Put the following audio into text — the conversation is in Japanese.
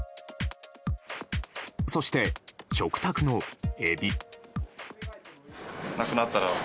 そして、食卓のエビ。